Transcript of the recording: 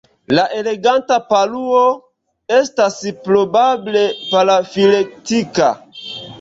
La Eleganta paruo estas probable parafiletika.